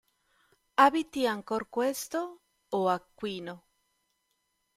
Abiti ancor questo, o Aquino.